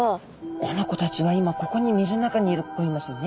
この子たちは今ここに水の中にいますよね。